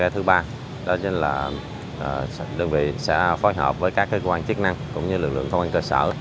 thứ ba đó là đơn vị sẽ phối hợp với các cơ quan chức năng cũng như lực lượng công an cơ sở